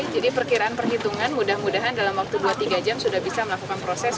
jadi perkiraan perhitungan mudah mudahan dalam waktu dua tiga jam sudah bisa melakukan proses